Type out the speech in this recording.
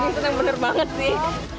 bikin seneng bener banget sih